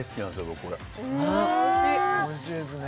僕これおいしいですね